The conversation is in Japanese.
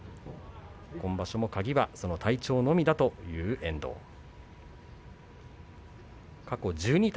今場所も鍵はその体調だけという遠藤です。